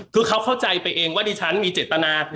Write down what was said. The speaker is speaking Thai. คือเขาเข้าใจไปเองว่าดิฉันมีเจตนา